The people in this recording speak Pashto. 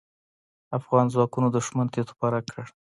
افغان ځواکونو دوښمن تيت و پرک کړ.